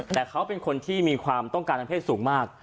แต่เขาเป็นคนที่มีความต้องการทางเพศสูงมาก